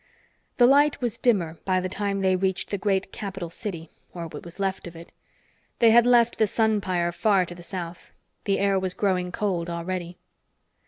The light was dimmer by the time they reached the great capital city or what was left of it. They had left the sun pyre far to the south. The air was growing cold already.